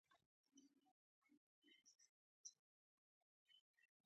د دوو کسانو ترمنځ به ریښتینې اړیکه جوړیږي.